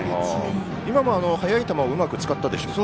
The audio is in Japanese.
今のも速い球をうまく使ったでしょうか。